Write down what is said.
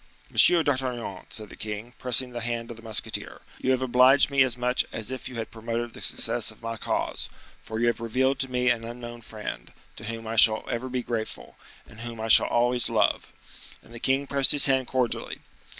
"Monsieur d'Artagnan," said the king, pressing the hand of the musketeer, "you have obliged me as much as if you had promoted the success of my cause, for you have revealed to me an unknown friend, to whom I shall ever be grateful, and whom I shall always love." And the king pressed his hand cordially.